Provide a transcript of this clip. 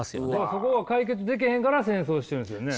そこが解決できへんから戦争してるんですよね。